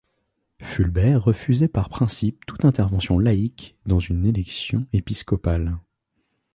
Fulbert refusait par principe toute intervention laïque dans une élection épiscopale.